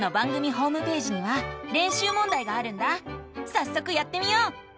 さっそくやってみよう！